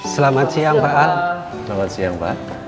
selamat siang pak